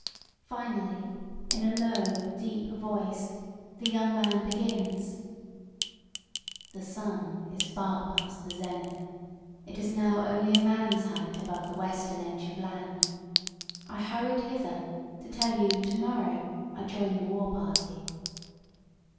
Finally, in a low, deep voice, the young man begins: "The sun is far past the zenith. It is now only a man's height above the western edge of land. I hurried hither to tell you tomorrow I join the war party."